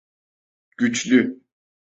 Güçlü…